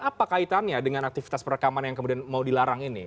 apa kaitannya dengan aktivitas perekaman yang kemudian mau dilarang ini